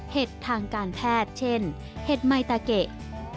ทางการแพทย์เช่นเห็ดไมตาเกะ